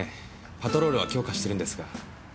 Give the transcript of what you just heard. パトロールは強化してるんですが。